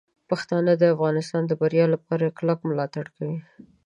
پښتانه د افغانستان د بریا لپاره کلک ملاتړ کوي.